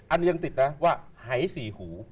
อันนี้ยังติดนะว่าหายสี่หู